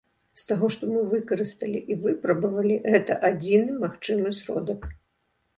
З таго, што мы выкарысталі і выпрабавалі, гэта адзіны магчымы сродак.